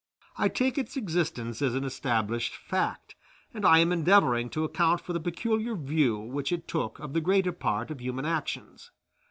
I take its existence as an established fact, and I am endeavoring to account for the peculiar view which it took of the greater part of human actions.